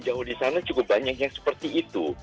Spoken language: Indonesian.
jauh di sana cukup banyak yang seperti itu